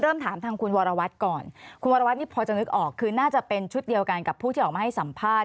ถามทางคุณวรวัตรก่อนคุณวรวัตนี่พอจะนึกออกคือน่าจะเป็นชุดเดียวกันกับผู้ที่ออกมาให้สัมภาษณ